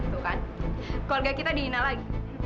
tuh kan keluarga kita dihina lagi